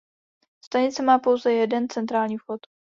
Stanice má pouze jeden centrální vchod.